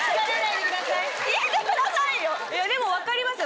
いやでも分かりますよ。